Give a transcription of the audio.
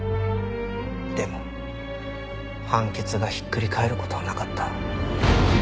でも判決がひっくり返る事はなかった。